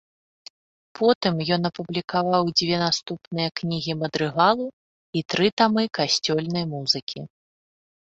Потым ён апублікаваў дзве наступныя кнігі мадрыгалу і тры тамы касцёльнай музыкі.